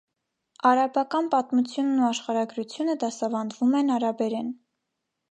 Արաբական պատմությունն ու աշխարհագրությունը դասավանդվում են արաբերեն։